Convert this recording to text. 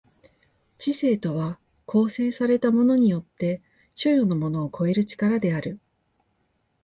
知性とは構成されたものによって所与のものを超える力である。